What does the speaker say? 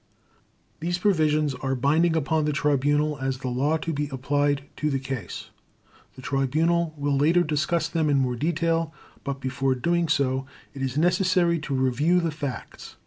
These provisions are binding upon the Tribunal as the law to be applied to the case. The Tribunal will later discuss them in more detail; but, before doing so, it is necessary to review the facts.